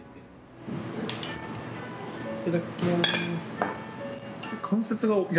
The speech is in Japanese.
いっただっきます。